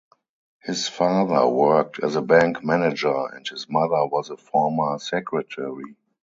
His father worked as a bank manager and his mother was a former secretary.